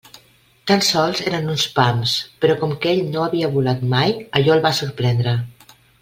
Tan sols eren uns pams, però com que ell no havia volat mai, allò el va sorprendre.